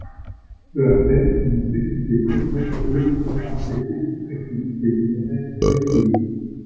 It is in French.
Peu après, une cécité précoce l'obligera à cesser toute activité littéraire régulière.